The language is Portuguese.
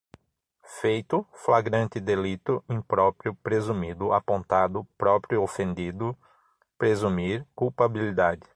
feito, flagrante delito, impróprio, presumido, apontado, próprio ofendido, presumir, culpabilidade